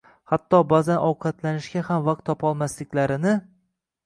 hatto ba'zan ovqatlanishga ham vaqt topolmasliklarini